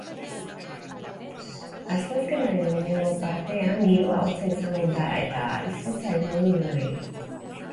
Asteazkenaren lehenengo partean giroa hotza izango daeta izotza egingo du nonahi.